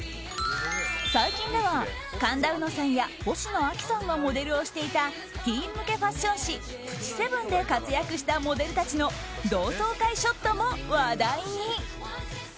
最近では、神田うのさんやほしのあきさんがモデルをしていたティーン向けファッション誌「プチセブン」で活躍したモデルたちの同窓会ショットも話題に。